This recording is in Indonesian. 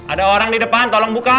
ada orang di depan tolong buka